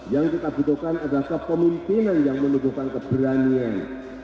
yang kita butuhkan adalah kemungkinan yang menentukan keberanian